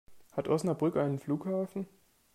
Hat Osnabrück einen Flughafen?